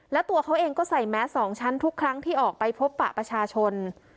แล้วตัวเขาเองก็ใส่แมสสองชั้นทุกครั้งที่ออกไปพบปะประชาชน